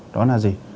đó là gì